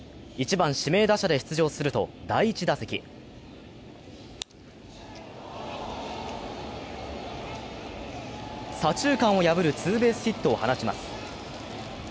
１番・指名打者で出場すると第１打席左中間を破るツーベースヒットを放ちます。